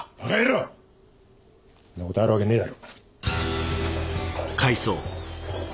んなことあるわけねぇだろ